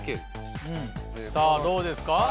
さぁどうですか？